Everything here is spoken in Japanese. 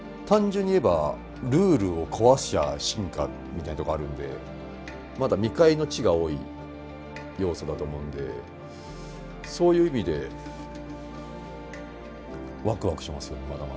単純に言えばルールを壊しちゃ進化みたいなとこあるんでまだ未開の地が多い要素だと思うんでそういう意味でワクワクしますよね